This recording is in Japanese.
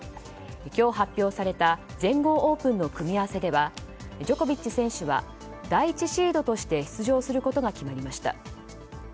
今日発表された全豪オープンの組み合わせではジョコビッチ選手は第１シードとして出場することが決まりました。